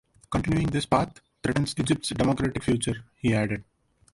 "Continuing this path threatens Egypt's democratic future", he added.